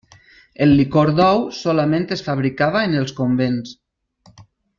El licor d'ou solament es fabricava en els convents.